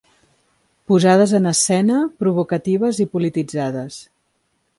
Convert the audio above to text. Posades en escena, provocatives i polititzades.